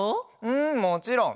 うんもちろん！